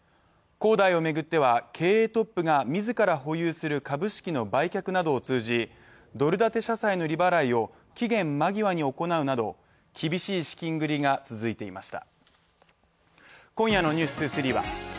恒大を巡っては自ら保有する株式の売却などを通じ、ドル建て社債の利払いを期限間際に行うなど厳しい資金繰りが続いていました。